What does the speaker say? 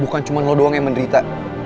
bukan cuma lo doang yang menderita